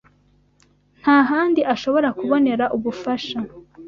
nta handi ashobora kubonera ubufasha